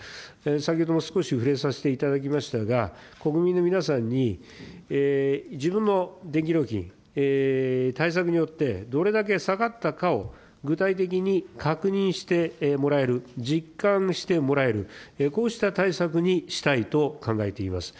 先ほども少し触れさせていただきましたが、国民の皆さんに自分の電気料金、対策によってどれだけ下がったかを具体的に確認してもらえる、実感してもらえる、こうした対策にしたいと考えています。